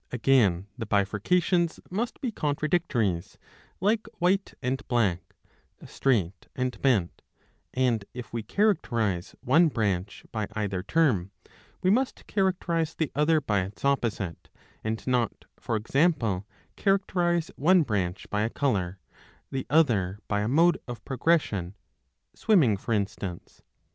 Again the bifurcations must be contradictories, like White and Black, Straight and Bent ; and if we characterize one branch by either term, we must characterize the other by its opposite, and not, for example, characterize one branch by a colour, the other by a mode of progression, swimming for instance.